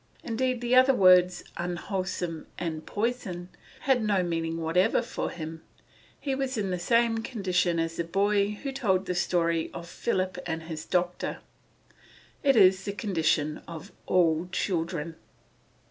Indeed, the other words, "unwholesome" and "poison," had no meaning whatever for him; he was in the same condition as the boy who told the story of Philip and his doctor. It is the condition of all children.